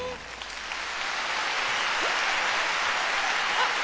あっ！